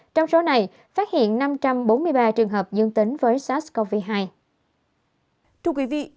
trong số này phát hiện năm trăm bốn mươi ba trường hợp dương tính với sars cov hai